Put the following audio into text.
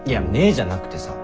じゃなくてさ。